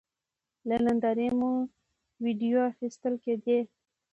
له نندارې مو وېډیو اخیستل کېدې.